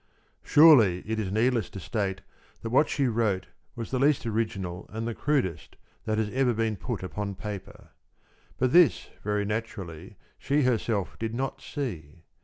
Surely it is needless to state that what she wrote was the least original and the crudest that has ever been put upon paper. But this very naturally she herself did not see.